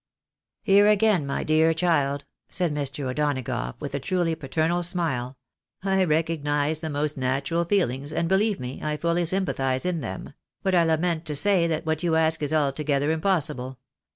" Here, again, my dear child," said Mr. O'Donagough, with a truly paternal smile, "I recognise the most natural feelings, and believe me, I fully sympathise in them ; but I lament to say that what you ask is altogether impossible.